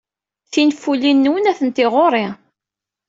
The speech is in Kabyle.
Tinfulin-nwen atenti ɣer-i.